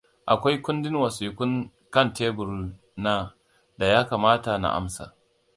Akwai kundin wasiƙu kan teburi na da ya kamata na amsa.